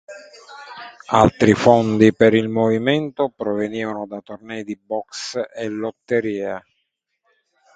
Altri fondi per il movimento provenivano da tornei di boxe e lotterie.